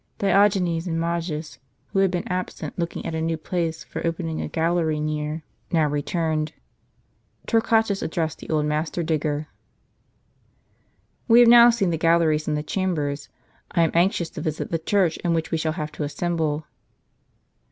Diogenes and Majus, who had been absent looking at a new place for opening a gallery near, now returned. Torquatus addressed the old master digger : "We have now seen the galleries and the chambers; I am anxious to visit the church in which we shall have to assemble."